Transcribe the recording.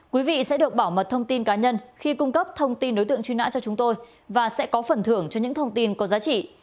quý vị sẽ được bảo mật thông tin cá nhân khi cung cấp thông tin đối tượng truy nã cho chúng tôi và sẽ có phần thưởng cho những thông tin có giá trị